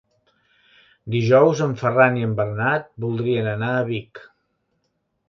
Dijous en Ferran i en Bernat voldrien anar a Vic.